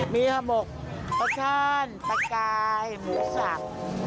มีห่อหมกประชาญประกายหมูสับ